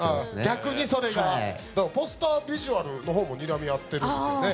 逆にそれがポスタービジュアルのほうもにらみ合ってるんですよね